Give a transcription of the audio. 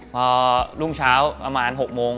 พอรุ่งเช้าประมาณ๖โมง